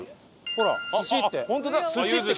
ほら「寿し」って。